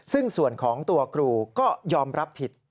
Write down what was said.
ซึ่งส่วนของตัวครูก็ยอมรับผิด